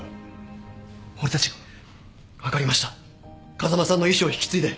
風間さんの意思を引き継いで。